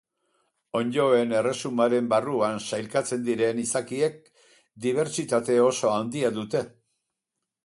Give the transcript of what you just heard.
Onddoen erresumaren barruan sailkatzen diren izakiek dibertsitate oso handia dute.